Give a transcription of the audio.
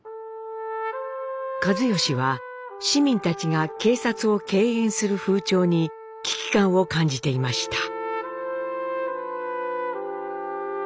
一嚴は市民たちが警察を敬遠する風潮に危機感を感じていました。